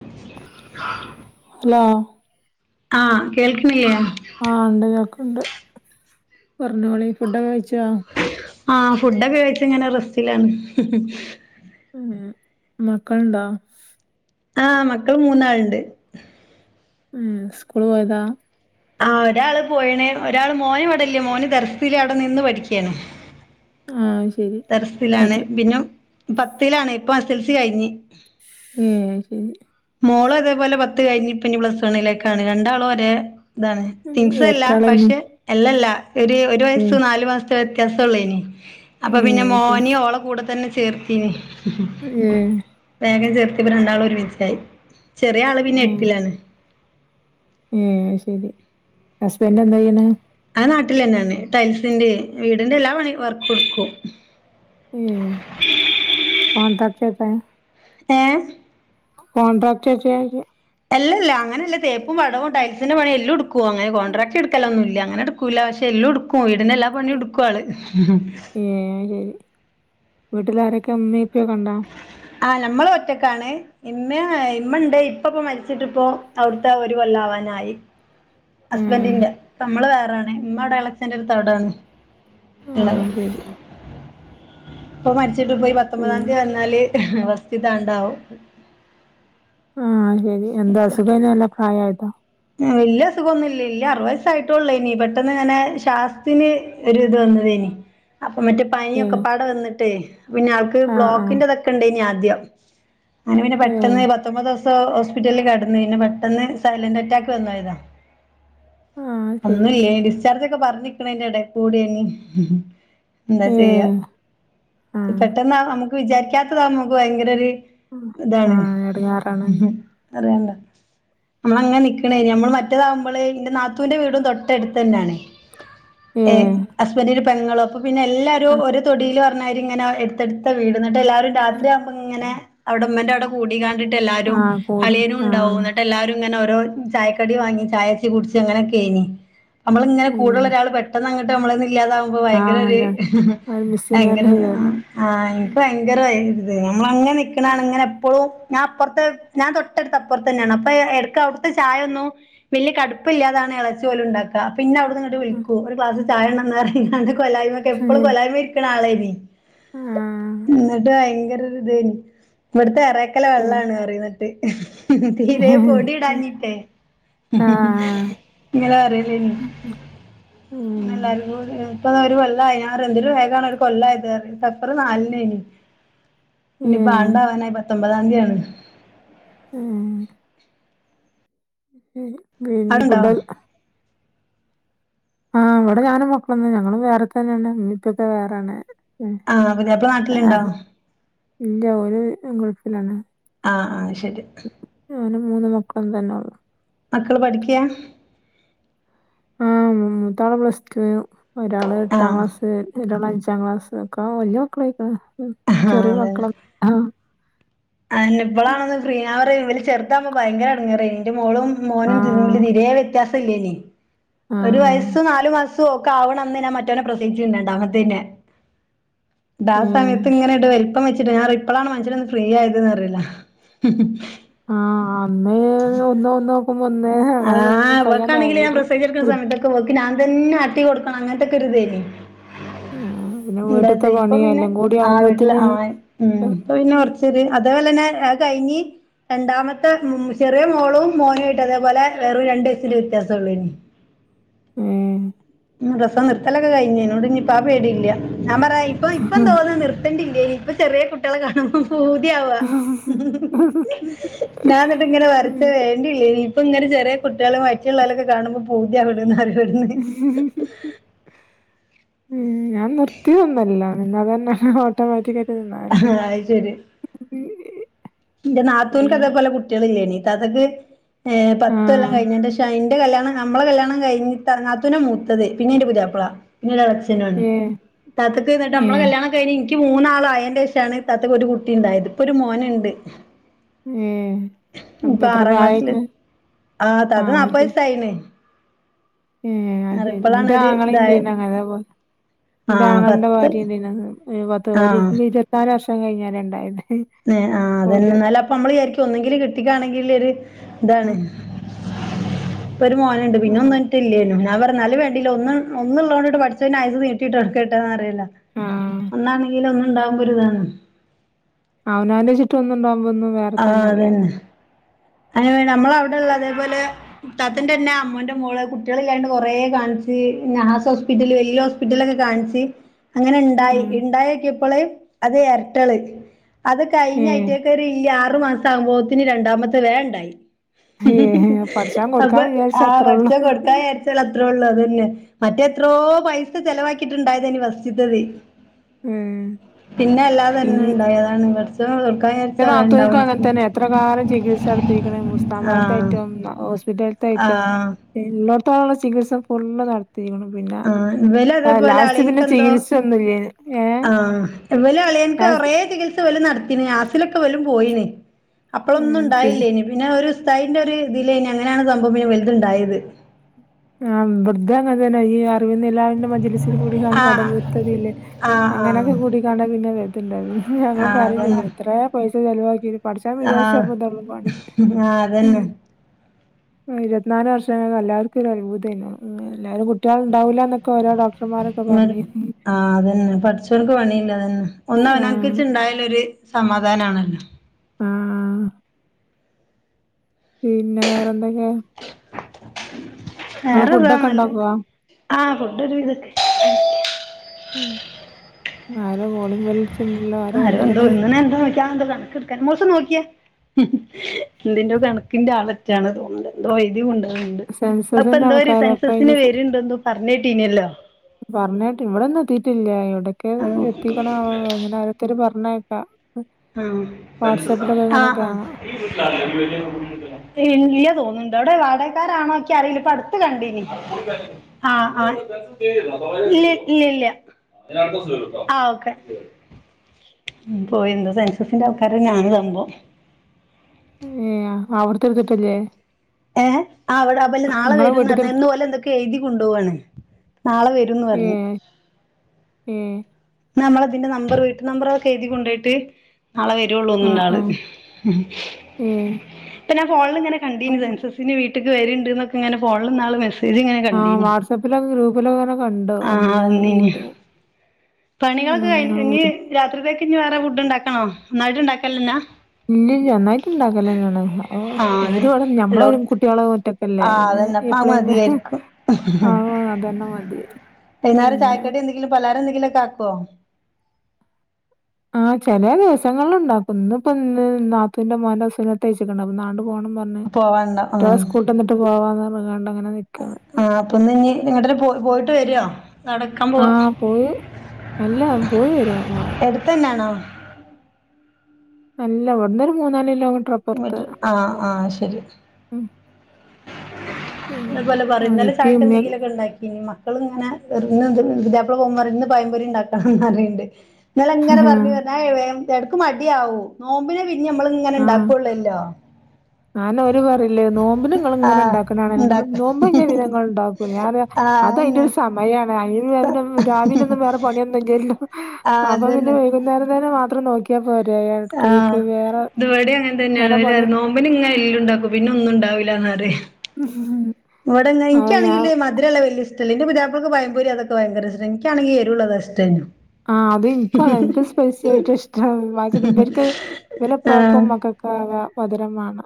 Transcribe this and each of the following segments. [unintelligible] Hello ആഹ് കേൾക്ക്ണ് യേ ആഹ് ണ്ട് കേക്ക്ണ്ട് പറഞ്ഞോളി ഫുഡ്ഡോക്കെ കഴ് ആഹ ഫുഡൊക്കെ കഴിച്ച് ഇങ്ങനെ റസ്റ്റിലാണ് ഹ് ഹ്. ഉഹ്മ് മക്കൾണ്ടോ? ആഹ് മക്കൾ മൂന്നാൾണ്ട്. ഉം സ്കൂൾ പോയതാ. ആ ഒരാള് പോയിണ്‌ ഒരാൾ മോനിവിടില്യാ, മോന് ദർഫില് അവിടെ നിന്ന് പഠിയ്ക്കാണ് ആ ശരി ദർഫിലാണ് എത്ര പിന്നോം പത്തിലാണ്, ഇപ്പം എസ് എൽ സി കഴിഞ്ഞ്. ഉഹ്മ്... ഹും മോളതേപോലെ പത്ത് കഴിഞ്ഞ് പ്പ ഞ്ഞി പ്ലസ് വണ്ണിലേക്കാണ്, രണ്ടാളും ഒരേ താണ് ട്വിൻസ് അല്ല എരട്ടാളേനി പഷെ, എല്ലല്ല എടി ഒരു ഏ വയസ് നാലു മാസ വ്യത്യാസൊള്ളേനി, അപ്പൊ ഏ പിന്നെ ശരി മോനെ ഓളകൂടെ തന്നെ ചേർത്തിനി. [unintelligible] വേഗം ചേർത്തിയപ്പം രണ്ടാളും ഒരുമിച്ചായി, ചെറിയാള് പിന്നെ എട്ടിലാണ്. ഉം.. ശരി ഹസ്ബൻഡ് എന്താ ചെയ്യണേ? ആ നാട്ടിലെന്നാണ്, ടൈൽസിന്റെ വീടിന്റെ എല്ലാ പണി വർക്കെടുക്കും. [unintelligible] ഏഹ് കോൺണ്ട്രാട്ര് ചെയ്യ എല്ലല്ലാ അങ്ങനല്ല തേപ്പും, പടവും, ടൈലസിന്റെ പണിയും എല്ലോടുക്കും അങ്ങനെ കോൺട്രാക്റ്റ് എടുക്കലോ ന്നില്ല അങ്ങ് - കുലാ ശേ എല്ലോടുക്കും വീടിന്റ എല്ലാ പണിയും എടുക്കും ആള് യേ ശരി വീട്ടിലാരൊക്കെ ഉമ്മയോക്കെ ണ്ടോ ആഹ് ഞമ്മള് ഒറ്റക്കാണ് ഇമ്മ്യായി ഇമ്മണ്ട് ഇപ്പ പോ മരിച്ചിട്ട്പ്പൊ അവിടത്തെഒരു കൊല്ലവനായി. ഏ ഹസ്ബൻറിന്റെ നമ്മള് വേറാണ്, ഉമ്മ ആടെ എളച്ചന്റെടുത്ത് അവിടാണ് ആ ള്ള ത് ശരി ഉപ്പ മരിച്ചിട്ട് ഇപ്പയ്‌ പിന്നെ പത്തൊമ്പതാന്തി വന്നാല് ഫസ്റ്റ്ത്താണ്ടാവും. ആഹ് ശരി എന്താ അസുഖാ യിണെന്നോ പ്രായായിട്ടോ. വെല്ല്യ സുഖോന്നില്ല ഇല്ല്യ അറുപതു വയസ്സായിട്ടുള്ളേനി പെട്ടനിങ്ങനെ ശാസ്ത്തില് ഒരിത് വന്നതേനി.. അപ്പൊ മറ്റു ഏ പനിയൊക്കെപാടെ വന്നിട്ടേ, പിന്നെ ആൾക്ക് ആ ആ ബ്ലോക്കിന്റെ ഇതൊക്കെ ഇണ്ടെയ്നി ആദ്യം. അനേ പിന്നെ ഏ പെട്ടെന്ന് പത്തൊമ്പത് ദിവസം ഹോസ്പിറ്റലിൽ കെടന്നു പിന്നെ പെട്ടെന്ന് സൈലന്റ് അറ്റാക്ക് ആ ശരി [unintelligible] ചെലതൊക്കെ പറഞ്ഞിക്ക്ണെന്റെ എടെകൂടെയ്നി ഉഹ്മ് എന്താ ഏ ചെയ്യ, ആ പെട്ടെന്നാ നമുക്ക് വിചാരിക്കാത്തതാ നമുക്ക് ഭയങ്കര ഒരു ആ ആ, ഇതാണ് എടങ്ങാറാണ് അറിയണ്ട ഇന്നാ അങ്ങനെ നിക്ക് ക്കുണ് ഞമ്മൾ മറ്റേതാവുമ്പള് എന്റെ നാത്തുന്റെ വീടും തൊട്ടടുത്ത് ന്നെയാണെ. ഏ ഹസ്ബൻടിന്റെ പെങ്ങളും അപ്പൊ പിന്നെ ആ എല്ലാരും ഒരു തൊടിയിലും ഇങ്ങനെ എടുത്തെ എടുത്ത വീടന്നിട്ട് എല്ലാരും രാത്രിയാവുമ്പോ അവിടെമ്മന്റെ വിടെ കൂടി കാണ്ടിട്ട് എല്ലാരും ആ കൂടും അളിയനും ആ ഉണ്ടാവും എന്നിട്ട് എല്ലാരും ഇങ്ങനെ ഓരോ ചായക്കടി വാങ്ങി ചായച്ചി കുടിച്ച് അങ്ങനൊക്കെഴിനി നമ്മള ങ്ങനെ ഉം കൂടുള്ളരാള് പെട്ടെന്ന് അങ്ങട്ട് നമ്മളൊന്നും ഇല്ലാതകുമ്പോ ആ ഭയങ്കര ഒരു ഹ് അത് മിസ്സിങ് തന്നെ ഭയങ്കര ചെയ്യലാ ആഹാ ഇൻക്ക് ഭയങ്കരതായിത് നമ്മളങ്ങനെ നിക്കണാണ് ഇങ്ങനെ എപ്പളും ഞാ അപ്പർത്ത് ഞാ തൊട്ടട്ത്ത അപ്പർത്തന്നെണ് അപ്പൊ എട്ക്ക് ഔടുത്തെ ചായൊന്നും വല്യ കടുപ്പല്ല്യാതാണ് ഇളച്ചിയോലും ഇണ്ടാക്ക അപ്പിന്നെ അവിട്ന്ന്ങ്ങട്ട് വിളിക്കും ഒരു ക്ലാസ് ചായൊണ്ടന്നറിയും കൊലായ്മക്കെ ആ ഏ, എപ്പളും കൊലായ്മെ ഇരിക്ക്ണാളേനി ആ ഇന്ന്ട്ട് ഭയങ്കര ഒരുതേനി ഇവട്ത്തെ എറേക്കലെ വെള്ളാണ് അറിന്നെട്ട് തീരെ പൊടി ഇടാഞ്ഞിട്ട് ഹ്‌ ഹ് ഇങ്ങെളറീലേനി പിന്നെല്ലാ ഉം, ഇപ്പെതാ ഒരു കൊല്ലായി ഞാറിയാ എന്തൊരു വേഗാണ് ഒര് കൊല്ലായതെറിയാ സഫെറ് നാലിനേനി ഏ, ഞ്ഞു പ്പോ ആണ്ടാവാനായി പത്തൊമ്പതാം തീയതിയാണ് ഏഹേ പിന്നെ അവിടെണ്ടോ ഫുഡക്കൊ ആഹാ ഇവടെ ഞാനും മക്കളെന്നെ ഞങ്ങളും വേറെ തന്നേണ് ഇമ്മിപ്പിയൊക്കെ വേറേണ് ആഹ് പുതിയാപ്ല നാട്ടിലുണ്ടോ ഇല്ല്യ ഓല് ഗൾഫിലാണ് ആഹ്.. ആഹ് അയ്ശെരി ഞാനും മൂന്ന് മക്കളും തന്നൊള്ളു മക്കള് പഠിക്യ? ആഹ് മൂത്താള് പ്ലസ് ടു ഒരാള് എട്ടാം ആഹ് ക്ലാസ് ഒരാൾ അഞ്ചാം ക്ലാസ് ഒക്കെ വല്യ മക്കളായിക്കണ് ആഹ് ചെറിയ മക്കളൊന്നുല്ല്യാ അയെന്നെ ഇപ്പളാണൊന്ന് ഫ്രീയാ ഞാറിയാ ഇബല് ചെറ്ത്താവുമ്പോ ഭയങ്കര ഇടങ്ങേറേനി ഇന്റെ മോളും മോനും ആഹ് തീരേ വ്യത്യാസല്ല്യാനി ഒരു ആഹ് വയസ്സും നാലു മാസം ഓക്കാവ്ണന്ന് ഞ്ഞാ മറ്റോനെ പ്രസവിച്ചീണ്ട് രണ്ടാമത്തേനെ ട്ടാ ഏഹ് സമയത്ത് ഇങ്ങെനാണ്ട് വല്പ്പം വെച്ചിട്ട് ഞാറിയെ ഇപ്പളാണ് മനഷ്യനൊന്ന് ഫ്രീയായത് ന്നറിയെലാ ആഹാ അന്ന് ഒന്ന് ഒന്ന് നോക്കുമ്പോ ഒന്ന് അങ്ങനെന്ന് കഴിയാ ഓല്ക്ക് ഞാൻ തന്നെ ആട്ടി കൊടുക്കണം അങ്ങൻത്തൊക്കൊരുതേനി ആഹ് പിന്നെ വീട്ട്ത്തെ [unintelligible] ഇപ്പൊ പണി പിന്നെ എല്ലാം കൂടി ആ വീട്ടില് ആവുമ്പോത്തിന് ആളായി ഉം ഇപ്പൊ പിന്നെ കൊർച്ചെര് അതേപോലെന്നെ അഹ് കഴിഞ്ഞ് രണ്ടാമത്തെ ഉം ചെറിയ മോളും മോനോവായിട്ട് അതേപോലെ വെറും രണ്ടു വയസിന്റെ വ്യത്യാസൊള്ളേനി ഏഹേ പ്രസവം നിർത്തലൊക്കെ കഴിഞ്ഞു അയിനോണ്ട്ഞ്ഞ്പ്പം ആ പേടില്ല ഞാ പറിയാ ഇപ്പൊ ഇപ്പം തോന്നാ നിർത്ത ണ്ടില്ലേനി ഇപ്പൊ ചെറിയാ കുട്ടിയളെ കാണുമ്പോ പൂതിയാവ ഞാ ഇന്നട്ട്ങ്ങനെ വെർതെ വേണ്ടില്ലേനി ഇപ്പങ്ങനെ ചെറിയ കുട്ട്യായളെ വയറ്റ്ള്ളോലൊക്കെ കാണുമ്പോ പൂ തിയാവ്ണ്ന്ന് അറിവട്ന്ന് ഞാൻ നിർത്തിയതൊന്നുവല്ല എന്നാ തന്നെ സ്വവാക്കിക്കായിട്ട് നിന്നതെന്നെ അത് ഇന്റെ നാത്തൂൻക്ക് അതെപോലെ കുട്ടിയള് ഇല്ല്യോനി താത്താക്ക് ഏഹേ ആ പത്തൊല്ലം കഴിഞേന്റെശം അയിന്റെ കല്യാണം നമ്മളെ കല്യാണം കഴിഞ്ഞിട്ടാള് നാത്തൂന മൂത്തത് പിന്നെയിന്റെ പുതിയാപ്പളാ പിന്നെ ഒരെളച്ചെനോനി ഏ താത്തക്ക് ഇന്നട്ട് ഏ നമ്മള് കല്യാണ ക്കെ കഴിഞ് ഇൻക്ക് മൂന്നാളും അയേന്റെഷാണ് ഇത്താത്തക്കൊരു കുട്ടിണ്ടായത് ഇപ്പൊരു മോന്ണ്ട് ഏഹേ ഇപ്പൊ അപ്പെത്ര ആറാം ക്ലാസ്സില് പ്രയായ്ക്ക്ണ് ആഹ് അയ്ശെ [unintelligible] യിണ് ഏഹേ അയ്‌ശെരി ഇന്റെ ഒരു ഇതായെ ആങ്ങളിണ്ടായിനി അങ്ങനെ ഇതേ പോലെ ന്റെ ആഹ് ആങ്ങളന്റെ പത്ത് ഭാര്യ ഇണ്ടാരുന്നു പത്ത് ഒരു ആഹ് ഇരുപതിന്നാല് വർഷം കഴിഞ്ഞാരെ ഇണ്ടായത് ഏ ആഹ് അതന്നെ ഓല് എന്നാലപ്പൊ അമ്മള് വിയാരിക്കും ഒന്നെങ്കില് കിട്ടിക്കാണെങ്കി ഒരു ഇതാണ് ഇപ്പൊരു മോന്ണ്ട് ആ പിന്നെ ഒന്ന് റ്റ്ല്യൊനും ഞ പറയലാ ന്നാലും വേണ്ടില്ല ഒന്ന് ഒന്ന്ള്ളൊട്ട് പഠിച്ചോയയിന് ആയ്സ്സ് നീട്ടിട്ടൊടുക്കെട്ടേന്നറിയെലാ ആ ഒന്നാണെങ്കിലും ഒന്ന്ണ്ടാകുമ്പൊര്താണ് അവനാന്റെച്ചിട്ട് ഒന്നുണ്ടാവുമ്പൊ അഒന്നും വേറെ തന്നല്ലേ.. അങ്ങെനെ നമ്മളവ്ടെള്ള അതെപോലെ ഇത്താത്തന്റെന്നെ അമ്മോന്റെ മോള് കുട്ടിയളില്ലാഞ്ഞ്ട്ട് കൊറേ കാണിച്ച് നഹാസ് ഹോസ്പിറ്റല് വലിയ ഹോസ് പറ്റിലൊക്കെ കാണിച്ച് അങ്ങനെണ്ടായി ഉം. ഇണ്ടായോക്കിയപ്പള് അത് എരട്ടള് അത് ഏ കഴിഞ്ഞയിട്ടക്കൊരുല്ലേ ആറു മാസാവുമ്പോത്തിന് രണ്ടാമത്തെ വേ ഇണ്ടായി ഏ പഠച്ചാൻ കൊടുക്കാൻ അപ്പൊ വിചാരിച്ച ആ അത്രേ ഒള്ളൂ വടിച്ച കൊടുത്താ അത്രേ ഉള്ളൂ അത് തന്നെ മറ്റെത്രോ പൈസ ചെലവാക്കിയിട്ടുണ്ടായതെനി വസ്ച്ച്ത്തത്. ഏ പിന്നെ അല്ലാത തന്നെ ഇൻ ഉണ്ടായതാണ്. പടച്ചോൻ കൊർക്കാന്ന് ജാരിച്ച എന്റെ നാത്തൂനിക്കും അണ്ടാവും. അങ്ങനെ തന്നെ എത്ര കാലം ചികിത്സടത്തിയിരിക്കണ് ആഹ് മുസ്താമാബാദായിട്ടും ഹോസ്പിറ്റലത്തെ ആയിട്ടും. ആഹ് ഇല്ലട്ത്തോളള്ള ചികിത്സ ഫുള്ള് നട പി, പിന്ന ആഹ് ഇവല് അതേപോലെ ലാസ്റ്റ് പിന്നെ അളിയൻക്കെന്തോ ചികിത്സൊന്നുല്ലെന് ഏ എവലോളിയൻക്ക്‌ കൊറെ ചികിത്സ ത്ഓല് നടത്തിന് ആസിലൊക്കെ വലും പോയിന് അപ്പളൊന്നും ഇണ്ടായില്ലേന്. പിന്നെ ഒരു സ്ഥൈന്റെ ഒരു ഇതിലേന് അങ്ങനാണ് സംഭവം പിന്നെ വലുതുണ്ടായത്. ആഹ് വ്ടതേം അങ്ങ തന്നെ ഈ അറിവി എലാന്റെ മജിലിസിൽ കൂടി കാണ്ട് ആഹ് മടപുരത്തതില്ലേ ആഹ് ആഹ് അങ്ങനൊക്കെ കൂടിക്കാണ്ടാ പിന്നെ ണ്ട ഞങ്ങള് ആഹ് പറയേം ചെ അതന്നെ ഇത്രേം പൈസ ചെലവാക്കി പടച്ചോൻ ആഹ് വിചാരിച്ചപ്പ എന്തള്ള പാടെ. ആഹ് ഉം. അതന്നെ ഇരുവത് നാല് വർഷം എല്ലാർക്കും ഒരു അത്ഭുതായിന്നു. എല്ലാരകു കുട്ട്യാള് ഇണ്ടാവൂലാന്നൊക്കെ ഒരോ ഡോക്ടർമാരൊക്കെ പർഞീനി ആ അതന്നെ പടച്ചോൻക്ക് പണിയില്ലതന്നെ ഒന്ന് ആഹ് അവനോൻക്‌ച്ച് ഉണ്ടായലോരു സമാധാനാണല്ലോ. ആഹ്, ആഹ് പിന്ന വേറെന്തൊക്കെ? നിങ്ങള് ഫുഡൊക്കെ വേറെതാണല്ല ഉണ്ടാക്കുവോ ആഹ് ഫുഡൊ ഒരു വിതക്കെ ഉം ആര കോലിങ് ബെൽ ല്ല ആരോ എന്തോ ഇന്നെ എന്താ നോക്കാ എന്തോ കണക്കെടുക്കാൻ മോസം നോക്കിയെ. എന്തിന്റോ കണക്കിന്റെ അളറ്റാണ് തോന്നണ്ട് എന്തോ വൈദ്യമുണ്ട്. ണ്ട് സെൻസസിന്റെ അപ്പൊന്തൊര് ആൾക്കാരാ അപ്പൊ സെൻസസിന് അയിന് വര്ണ്ടെന്ന് പറഞ്ഞെട്ടിനല്ലോ. പറഞ്ഞെട്ട് ഇവിടൊന്നും എത്തീട്ടില്ല. എവിടൊക്കെയൊ ആ എത്തീക്കാണാവൊ ങ്ങനരോ ഒത്തിരി പറഞ്ഞായിപ്പ. ആ, ആഹ്, ആഹ്. കാണാം ഇല്ല്യ തോന്നുന്നുണ്ട് അവിടെ വാടകക്കാരാണോക്കെ അറിയില്ല ഇപ്പ അടുത്ത് കണ്ടിനി. ആഹ്, ആ, ഇല്ല, ഇല്ല, ഇല്ല. ആ ഓക്കെ. ഉം പോയിന്തൊ. സെൻസിന്റെ ആൾക്കാരെ ഞാന് [unintelligible] ആ അവിടെത്തെടുതിട്ടില്ലേ. ഏ അവിടെ അപ്പല നാളെ വരുംന്ന് വീട്ടിത്തെ പറഞ്ഞ ഇന്ന്ഓല് എന്തൊക്കെ എഴുതി കൊണ്ടോവാണ്. നാള വരുംന്ന് പറഞ്ഞ്. ഉം. നമ്മള അതിന്റെ നമ്പർ വീട്ട് നമ്പറോക്കെ എഴുതി കൊണ്ടോയിട്ട് നാളെ വരുള്ളൂ ഒന്നുംന്ത ആഹ് ആള്. ആഹ് ഏഹ് ഇപ്പ ഞാ ഫോണിലിങ്ങനെ കണ്ടീനി സെൻസസ്. പിനി വീട്ടിക്ക് വരുണ്ട് എന്നൊക്കെ ഇങ്ങനെ ഫോണിലിന്നാള് മെസെ ആഹ് വാട്സപ്പില ഗ്രൂപ്പിലൊക്കെങ്ങനെ കണ്ടു ആഹ് അമ്മനെ വന്നീനി വീട്ടു പണികളൊക്കെ കഴി നിങ്ങള് ഇനി രാത്രിത്തേക്ക് ഇനി വേറെ ഫുഡ്ണ്ടാക്കണോ? ഒന്നായിട്ട് ഉണ്ടാക്കലന്നാ. ഇല്ലല്ല ഒന്നായിട്ട് ഇണ്ടാക്കലന്നെയാണ്. ഓ, ആഹ് അതന്നെ ഒരുപാട് ഞമ്മള എല്ലോടത്തും കുട്ട്യളെ ഒറ്റ എല്ലേ ആഹ് പിന്നെ അതന്നെ അപ്പ അത് എപ്പളെ മതിയായിരിക്കും ആ അതന്നെ മതി. വൈന്നേരം പിന്നെ ചായക്കടി എന്തെങ്കിലും പലാര എന്തെങ്കിലൊക്കെആക്കുവോ? ആഹ് ചെല ദെവസങ്ങള്ല് ഉണ്ടാക്കും. ഇന്ന്പ്പൊ ഇ നാത്തൂന്റെ മോന്റെ സുനതയിച്ചിട്ടണ്ട അപ്പൊനാണ്ടു പോണ ഇന്ന് പോവാണ്ടോ കുട്ട്യോളെ ആഹ് സ്കൂളട്ടന്നിട്ട് പോവാന്ന്പറഞ്ങ്ങാണ്ട് നിക്കാണ്. ആ അപ്പൊന്ന് ഇനി നിങ്ങട്ട പോയിട്ട് വരുവോ? നടക്കാൻ പോവാ. ആഹ് പോയി അല്ല പോയി വരും ആ, എടുത്തെന്നാണോ? അല്ല ഇവിടുന്നൊരു മൂന്ന്, നാല് കിലോമീറ്റർ അപ്പുറത്ത് ആഹ്, ആഹ് ശരി. ഉം അത് പിന്നെ പോലെ പറിം ഇന്നലെ ഇപ്പിം ചായയ്ക്ക ഇമ്മിം എന്തെങ്കിലിമോക്കെ ബണ്ടാക്കിനി ബമ്മ മക്കള് ഇങ്ങനെ എ ഇതപ്പന്ന് പുത്യാപ്ല പോവുമ്പം പറിം ഇന്ന് ഭയംപൊര ഇണ്ടാക്കണംന്ന് അറിണ്ട് ഇന്നെലെ ഇങ്ങനെ പറഞ്ഞുഞ്ഞ എടക്ക് മടിയാവൂ. നോമ്പിനെ പിഞ് നമ്മള ഇങ്ങനെ ഇണ്ടാക്കൊള്ളല്ലോ ഞാന ഒരുര് പറയില്ലേ നോമ്പിന് ഇങ്ങള് ഇങ്ങനെ ആഹ് ഇണ്ടാക്ക്ന്നാണ. നിങ്ങളും ഇണ്ടാക്ക നോമ്പഴി ജീവിനങ്ങൾ ഉണ്ടാക്കൂഞ ആഹ് അത് അയ്ന്റെ അതന്നെ ഒരു സമയാണ് അ രാവിലൊന്നും വേറെ പണിയ ല്ല ആഹ് അപ്പൊ പിന്നെ അതന്നെ വൈകുന്നേരം തേന്നെ മാത്രം നോക്കി പോരാ ആഹ് കിളിക്ക് വേറെ വേറെ പണി ഇ ബെന് ഉം. എല്ലു ഉണ്ടാക്കും. പിന്നെ ഒന്നും ഉണ്ടാവില്ലന്നാണറ്യെ. ഇവിടെ അപ്പൊ ഞാൻ ഇൻക്ക്യാണെങ്ക മധിരയുള്ള വല്യുഇ്ടംല്ല. ഇന്റെ പുത്യാപ്ലക്കൾക്ക് പഴമ്പൊരി അതൊക്കെ ഭയങ്കര ഇഷ്ട ഇൻണെങ്കി എരുള്ളത് അസ്- ആഹ് അതും ഇൻക്ക്‌ എന്ക്ക്‌ സ്പൈസി ആയിട്ട് ഇഷ്ട [unintelligible] വര്ക്ക്‌ പ്പാക്കും, ആഹ് മക്ക [unintelligible] മധുരമാണ്.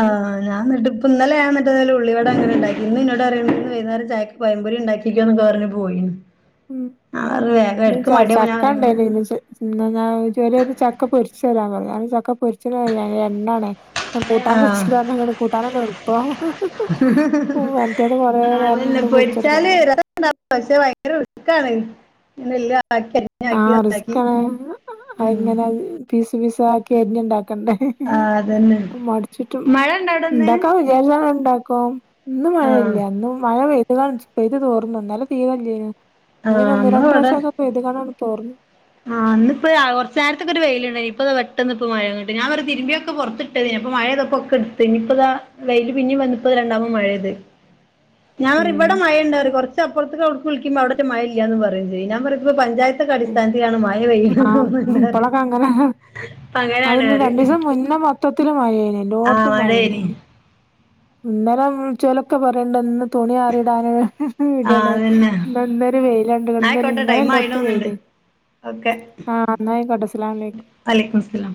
ആ ഞാൻ ഇന്നട്ട് ഇന്നലെ ഞാൻ മറ്റേ [unintelligible] ല ഉള്ളി വട അങ്ങനെ ഇണ്ടാക്കി ഇന്ന് ഇന്നോട് അറിയ ഇന്ന് വൈന്നാര ചായ് പയമ്പൊരി ഇണ്ടാക്കിക്കുക്ക്യോ ന്ന് ക്കെ പറഞ്ഞ് പോയിന്ന് ഉം ഇ മടിയാവുമ്പം ഞാൻ ചക്ക പറിം ഉണ്ടയ്ല്ല ഇന്നോട് ഇന്ന് ഞാൻ ജോലിയൊക്. ചക്ക പൊരിച്ച് തരാൻ പറഞ്ഞു അന്ന് ചക്ക പൊരിച്ച എണ്ണാണേ ഞാൻ കൂട്ടാൻ ആഹ്. വെച്ചിട്ടങ്ങ കൂട്ടാന തന്നെ എറപ്പം [unintelligible] പൊരിച്ചെടുക്കണ്ടേ പൊരില് പക്ഷെ ഭയങ്കര ഉഴുക്കാണ്. എല്ല ആക്ക ആഹ് റിസ്ക്കാണ ഉം എങ്ങനെ പീസ് പീസ് ആക്കി അരിഞ്ഞ ഉണ്ടാക്കണ്ടേ ആ അതന്നെ മടിച്ചിട്ടും മഴ ഇണ്ടോ അവിടെന്ന് ഇണ്ടാക്ക ത്യാവശം ഉണ്ടാക്കും ഇന്നും ആഹ് മഴയില്ല ഇന്ന് മഴ പെയ ഇത് ഇത് തോർന്നു ഇന്നെല തീതല്ല ആഹ് ഒന്ന് ഇന്ന് രണ്ടണ്ട് ഇവിടെ പ്രാവഷംക്കെ ഇത് കാണാണ് തോർന്നു ആഹ് അന്ന് ഇപ്പോ കൊറ്ച്ചേ രത്തൊക്കെ വെയിലുണ്ടായിനി. ഇപ്പ താ പെട്ടെന്ന് ഇപ്പോ മഴ കിട്ട് ഞാൻ പറ്യ തിരുമ്പിയൊക്കെ പൊറ്ത്ത് ട്ട അപ്പ മഴ ഇതൊപ്പൊ ഒക്കെ ഇടുത്ത്. ഇനിയിപ്പതാ വെയില്ൽ പിന്നിം വന്ന് ഇപ്പോ രണ്ടാവാ മഴയ്ത് ഞാൻ പറി ഇവടെ ഏഹ് മഴയുണ്ടോറിം കൊറച്ചപ്പുറത്ത്. ളിക്ക്പോ അവിടെ മഴ ഇല്ലാന്ന് പറയും. ചെയ്യ ഞാൻഞ്ഞപ്പ പഞ്ചായത്തെ ആഹ് ഇപ്പളക്കെ അങ്ങനെ ഇപ്പ അങ്ങനാണ് അതിന് പറയും രണ്ടീസം മുന്നെ മൊ- മൊത്തത്തിലും മഴനി ആഹ് എല്ലോടത്തും മഴേനി മഴന്നെനി. ഇന്നെലെ വിള്ച്ചോലൊക്കെ പറ് ഇണ്ടെന്നു തുണി ആറിയതാന്. ആഹ് ഇടാണ് അതന്നെ അന്നെരം. ന്നാ ആയിക്കോട്ടെ വെയിലണ്ടന്നരം ടൈം എല്ലോട പത്ത ത്തും ആയിണോന്നുണ്ട് വെയില് ഓക്കെ ആഹ് ഇന്നയിക്കോട്ടെ അസ്ലാ അലൈക്ക് അലൈക്കു മുസ്ലാം